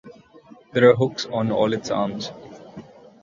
There are hooks on all its arms.